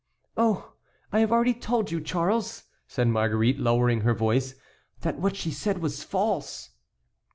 "Oh, I have already told you, Charles," said Marguerite, lowering her voice, "that what she said was false."